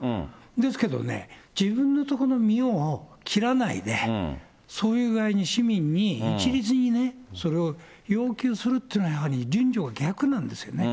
ですけどね、自分のところのみえを切らないで、そういう具合に市民に一律にね、それを要求するっていうのは、やはり順序が逆なんですよね。